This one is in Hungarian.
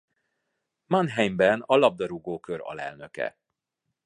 Mannheimben a labdarúgó kör alelnöke.